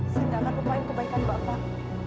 saya nggak akan lupain kebaikan bapak